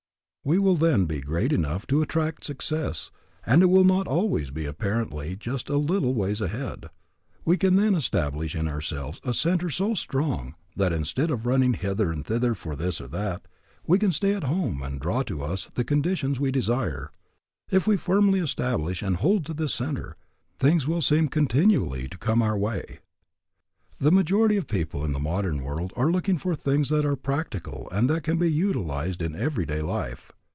We will then be great enough to attract success, and it will not always be apparently just a little ways ahead. We can then establish in ourselves a centre so strong that instead of running hither and thither for this or that, we can stay at home and draw to us the conditions we desire. If we firmly establish and hold to this centre, things will seem continually to come our way. The majority of people of the modern world are looking for things that are practical and that can be utilized in every day life.